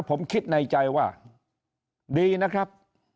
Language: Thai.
ผมคิดในใจว่าดีนะครับ